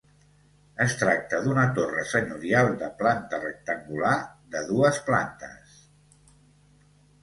Es tracta d'una torre senyorial de planta rectangular, de dues plantes.